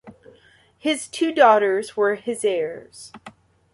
His two daughters were his heirs.